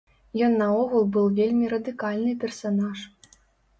Ён наогул быў вельмі радыкальны персанаж.